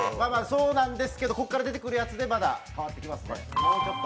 そうなんですけど、ここから出てくるやつでまた変わってきますね。